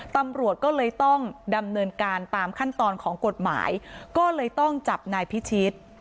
ตำรวจก็เลยต้องดำเนินการตามขั้นตอนของกฎหมายก็เลยต้องจับนายพิชิต